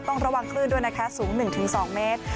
ต้องระวังคลื่นด้วยนะคะสูง๑๒เมตร